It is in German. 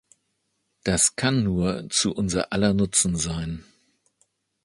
Das kann nur zu unser aller Nutzen sein.